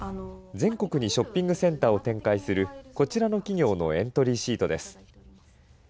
全国にショッピングセンターを展開する、こちらの企業のエントリーシートです。